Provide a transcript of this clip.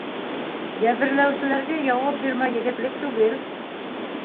Йәберләүселәргә яуап бирмәү егетлек түгел!